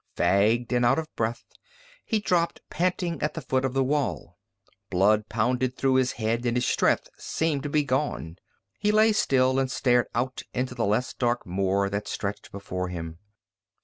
Fagged and out of breath, he dropped panting at the foot of the wall. Blood pounded through his head and his strength seemed to be gone. He lay still and stared out into the less dark moor that stretched before him.